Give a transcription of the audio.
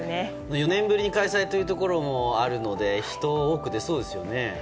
４年ぶりに開催というところもあるので人は多く出そうですよね。